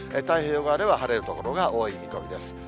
太平洋側では晴れる所が多い見込みです。